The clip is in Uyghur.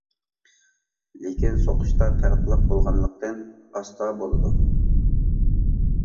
لېكىن سوقۇشتا پەرقلىق بولغانلىقتىن ئاستا بولىدۇ.